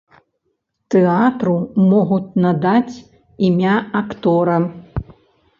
Тэатру могуць надаць імя актора.